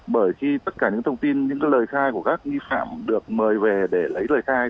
bởi khi tất cả những thông tin những lời khai của các nghi phạm được mời về để lấy lời khai